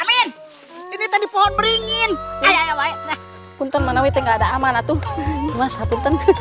ini tadi pohon beringin